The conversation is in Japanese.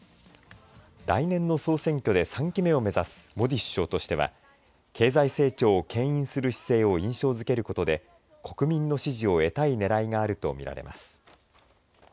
来年の総選挙で３期目を目指すモディ首相としては経済成長をけん引する姿勢を印象づけることで国民の支持を得たいねらいがあると見られます。